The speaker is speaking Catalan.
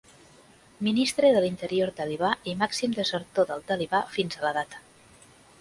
Ministre de l'Interior talibà i "màxim desertor del talibà fins a la data".